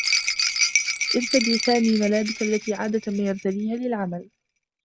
ارتدى سامي الملابس التي عادة ما يرتديها للعمل.